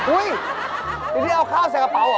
อื้อที่นี่เอาข้าวใส่กระเผ่าหรอ